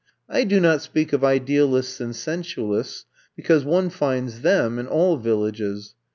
I do not speak of ideal ists and sensualists, because one finds them in all villages.